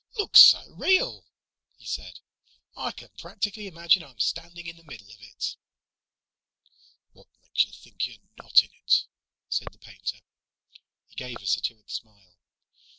"Looks so real," he said, "I can practically imagine I'm standing in the middle of it." "What makes you think you're not in it?" said the painter. He gave a satiric smile.